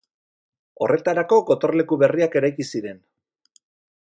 Horretarako gotorleku berriak eraiki ziren.